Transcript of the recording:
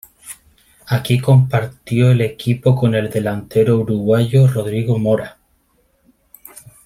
Aquí compartió el equipo con el delantero uruguayo Rodrigo Mora.